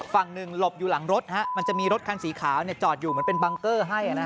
ฝั่งหนึ่งหลบอยู่หลังรถมันจะมีรถคันสีขาวจอดอยู่เหมือนเป็นบังเกอร์ให้